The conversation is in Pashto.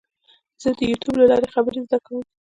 زه د یوټیوب له لارې خبرې زده کوم.